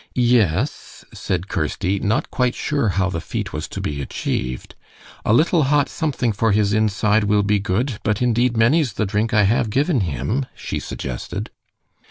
"Yes," said Kirsty, not quite sure how the feat was to be achieved. "A little hot something for his inside will be good, but indeed, many's the drink I have given him," she suggested.